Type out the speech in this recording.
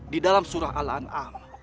di dalam surah ala an'am